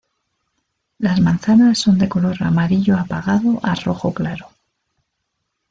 Las manzanas son de color amarillo apagado a rojo claro.